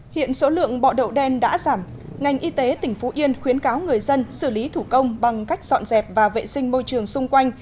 hiện số lượng bọ đậu đen đã giảm ngành y tế tỉnh phú yên khuyến cáo người dân xử lý thủ công bằng cách dọn dẹp và vệ sinh môi trường xung quanh